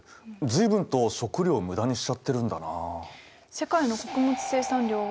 随分と食料を無駄にしちゃってるんだなあ。